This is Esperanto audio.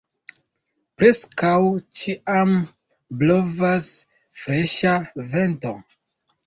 Preskaŭ ĉiam blovas freŝa vento.